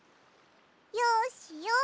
よしよし。